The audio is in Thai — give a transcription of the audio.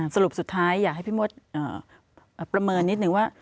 สรุปสุดท้ายอยากให้พี่มดประเมินนิดนึงว่า